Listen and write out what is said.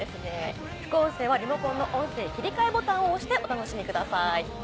副音声はリモコンの音声切り替えボタンを押してお楽しみください。